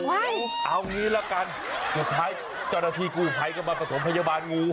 เอางี้ละกันสุดท้ายเจ้าหน้าที่กู้ภัยก็มาประถมพยาบาลงู